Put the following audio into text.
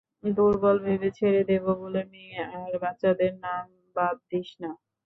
দুর্বল ভেবে ছেড়ে দেবো বলে মেয়ে আর বাচ্চাদের নাম বাদ দিস না।